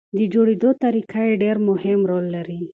د جوړېدو طریقه یې ډېر مهم رول لري.